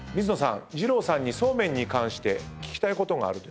二郎さんにそうめんに関して聞きたいことがあると。